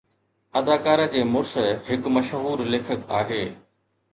اداکارہ جي مڙس هڪ مشهور ليکڪ آهي